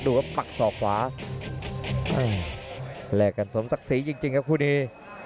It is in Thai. ครับปักศอกขวาแลกกันสมศักดิ์ศรีจริงครับคู่นี้